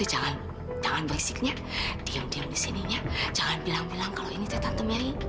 jangan jangan berisiknya diam diam di sini ya jangan bilang bilang kalau ini tante merry